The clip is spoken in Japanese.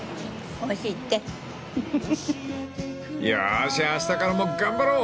［よしあしたからも頑張ろう！